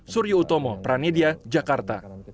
surya utomo pranedia jakarta